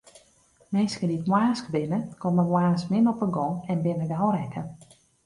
Minsken dy't moarnsk binne, komme moarns min op gong en binne gau rekke.